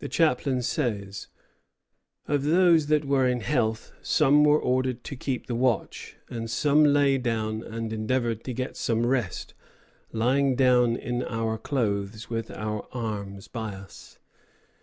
The chaplain says: "Of those that were in health, some were ordered to keep the watch, and some lay down and endeavored to get some rest, lying down in our clothes with our arms by us....